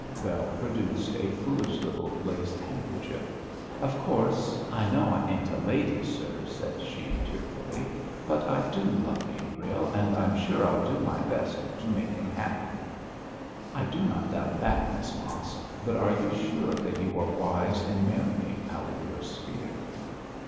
Bell produced a foolish little lace handkerchief. 'Of course, I know I ain't a lady, sir,' said she, tearfully. 'But I do love Gabriel, and I'm sure I'll do my best to make him happy.' 'I do not doubt that, Miss Mosk; but are you sure that you are wise in marrying out of your sphere?'